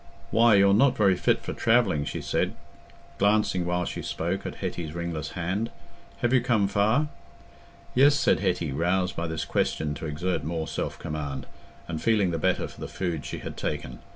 "Why, you're not very fit for travelling," she said, glancing while she spoke at Hetty's ringless hand. "Have you come far?" "Yes," said Hetty, roused by this question to exert more self command, and feeling the better for the food she had taken.